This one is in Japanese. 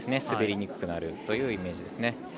滑りにくくなるというイメージですね。